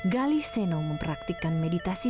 gali seno mempraktikkan meditasi